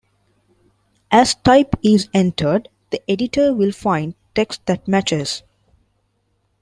As type is entered the editor will find text that matches.